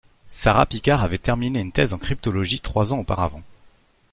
Sara Picard avait terminé une thèse en cryptologie trois ans auparavant